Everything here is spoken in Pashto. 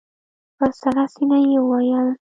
په سړه سينه يې وويل.